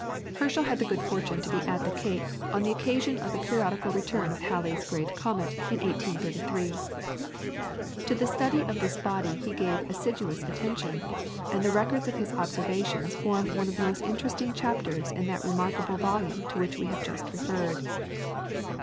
Herschel had the good fortune to be at the Cape on the occasion of the periodical return of Halley's great comet in 1833. To the study of this body he gave assiduous attention, and the records of his observations form one of the most interesting chapters in that remarkable volume to which we have just referred.